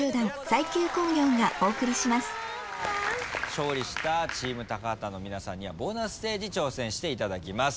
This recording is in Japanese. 勝利したチーム高畑の皆さんにはボーナスステージ挑戦していただきます。